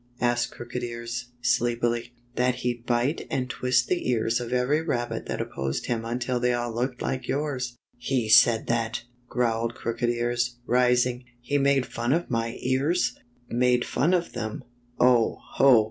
" asked Crooked Ears, sleepily, "That he'd bite and twist the ears of every* rabbit that opposed him until they all looked like yours." " He said that! " growled Crooked Ears, rising. " He made fun of my ears !" "Made fun of them! Oh! Ho!